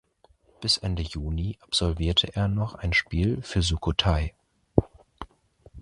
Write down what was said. Bis Ende Juni absolvierte er noch ein Spiel für Sukhothai.